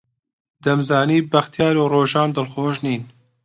دەمزانی بەختیار و ڕۆژان دڵخۆش نین.